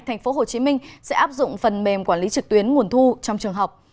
tp hcm sẽ áp dụng phần mềm quản lý trực tuyến nguồn thu trong trường học